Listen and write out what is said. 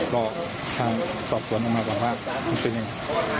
รอทางสอบส่วนภาพภาพมันเป็นยังไง